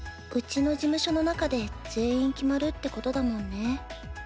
うちの事務所の中で全員決まるってことだもんね。